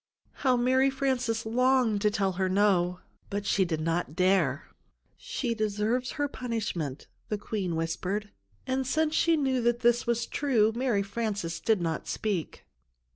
How Mary Frances longed to tell her no, but she did not dare! "She deserves her punishment," the Queen whispered, and since she knew that that was true, Mary Frances did not speak.